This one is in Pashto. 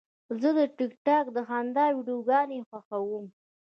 زه د ټک ټاک د خندا ویډیوګانې خوښوم.